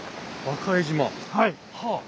はい。